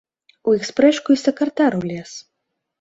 У іх спрэчку й сакратар улез.